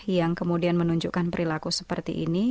yang kemudian menunjukkan perilaku seperti ini